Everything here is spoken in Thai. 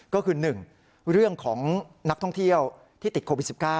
ก็คือ๑เรื่องของนักท่องเที่ยวที่ติดโควิด๑๙